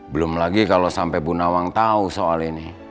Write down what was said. belum lagi kalau sampai bu nawang tahu soal ini